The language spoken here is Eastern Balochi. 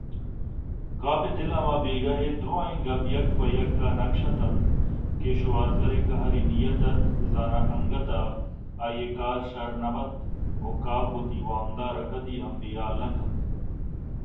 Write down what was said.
کاف ءِ دل ءَ ہمابیگاہ ءِدُرٛاہیں گپ یک پہ یک ءَ نقش اِت اَنت کہ شوازر ءِ قہریں نیت اَت زاناانگتءَ آئی ءِ کار شرّ نہ بنت ءُکاف وتی وام دار ءَ کدی ہم بے حال نہ کنت